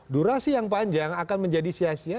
durasi yang panjang akan menjadi sia sia